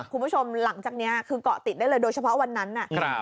คุณผู้ชมหลังจากนี้คือเกาะติดได้เลยโดยเฉพาะวันนั้น